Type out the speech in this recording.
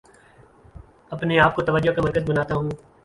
اپنے آپ کو توجہ کا مرکز بناتا ہوں